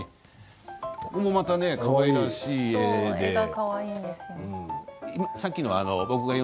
ここもまたかわいらしいんですよ。